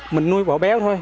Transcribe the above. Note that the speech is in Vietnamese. mình nuôi bỏ béo thôi